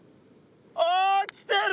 ああ来てる！